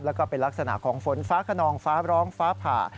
แล้วก็เป็นลักษณะของฝนฟ้าขนองฟ้าร้องฟ้าผ่า